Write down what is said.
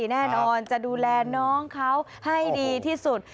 แน่นอนจะดูแลน้องเขาให้ดีที่สุด